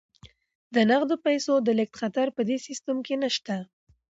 د نغدو پيسو د لیږد خطر په دې سیستم کې نشته.